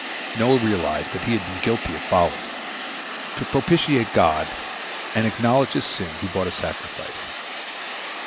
Noah realized that he had been guilty of folly. To propitiate God and acknowledge his sin, he brought a sacrifice.